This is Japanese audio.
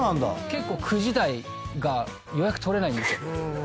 結構９時台が予約取れないんですよ。